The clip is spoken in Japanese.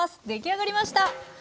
出来上がりました！